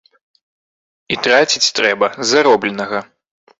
І траціць трэба з заробленага.